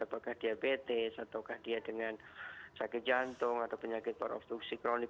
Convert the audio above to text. apakah diabetes ataukah dia dengan sakit jantung atau penyakit parostoksikronik